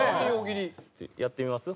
やってみます？